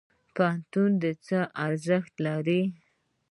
پوهنتون څه ارزښت لري؟